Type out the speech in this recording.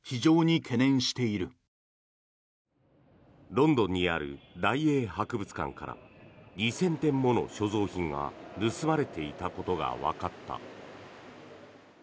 ロンドンにある大英博物館から２０００点もの所蔵品が盗まれていたことがわかった。